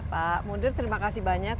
pak mundir terima kasih banyak